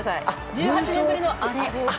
１８年ぶりの「アレ」。